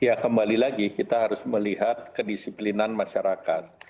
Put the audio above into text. ya kembali lagi kita harus melihat kedisiplinan masyarakat